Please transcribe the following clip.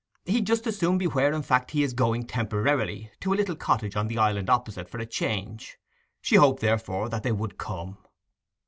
He'd just as soon be where, in fact, he's going temporarily, to a little cottage on the Island opposite, for a change.' She hoped therefore that they would come.